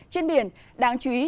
trên biển đáng chú ý